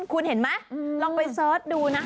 คุณเห็นไหมลองไปเสิร์ชดูนะคะ